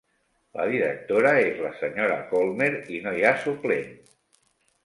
La directora és la sra. Colmer i no hi ha suplent.